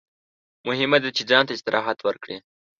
مهمه ده چې ځان ته استراحت ورکړئ.